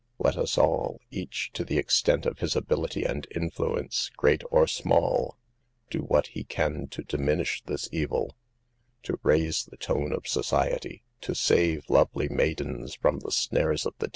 Let us all, each to the extent of his ability and influence, great or small, do what he can to diminish this evil ; to raise the tone of society; to save lovely maidens from the snares of the SOCIETY BUYING A SLAVE.